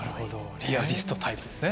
リアリストタイプですね